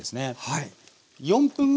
はい。